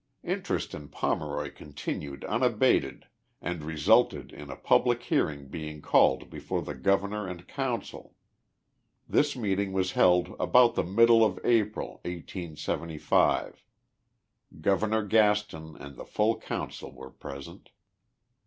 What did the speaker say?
Interest in Pomeroy continued unabated and resulted in a public hearing being called before the Governor and Council. This meeting was held about the middle of April, 1S75. Governor Gaston and the full Council were present.